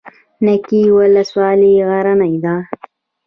نکې ولسوالۍ غرنۍ ده؟